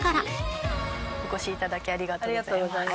お越し頂きありがとうございます。